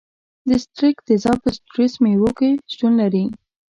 د ستریک تیزاب په سیتروس میوو کې شتون لري.